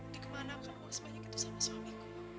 di kemana aku harus banyak itu sama suamiku